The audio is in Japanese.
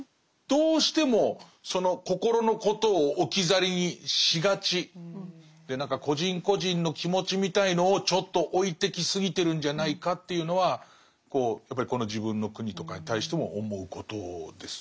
どうしてもその心のことを置き去りにしがちで個人個人の気持ちみたいのをちょっと置いてきすぎてるんじゃないかというのはやっぱりこの自分の国とかに対しても思うことです。